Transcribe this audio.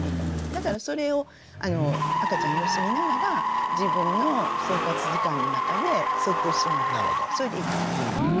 だからそれを赤ちゃん様子見ながら自分の生活時間の中で設定してもらってそれでいいと思います。